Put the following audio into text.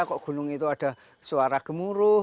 kok gunung itu ada suara gemuruh